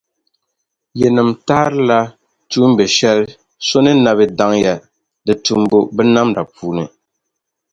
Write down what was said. Yinim tahirila tuumbe’ shɛli so ni na bi daŋ ya di tumbu binnamda puuni?